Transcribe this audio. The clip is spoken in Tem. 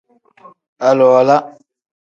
Aliwala.